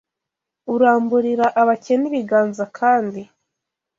uramburira abakene ibiganza kandi